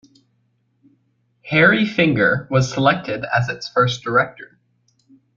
"Harry" Finger was selected as its first director.